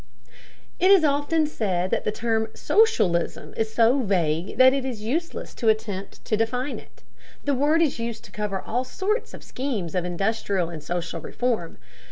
It is often said that the term "socialism" is so vague that it is useless to attempt to define it. The word is used to cover all sorts of schemes of industrial and social reform.